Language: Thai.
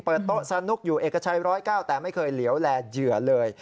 เปิดโต๊ะสนุกอยู่เอกชัย๑๐๙แต่ไม่เคยเหลียวแลเหยื่อเลย